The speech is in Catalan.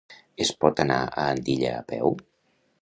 Es pot anar a Andilla a peu?